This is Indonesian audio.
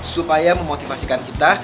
supaya memotivasikan kita